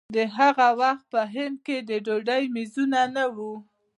د هغه وخت په هند کې د ډوډۍ مېزونه نه وو.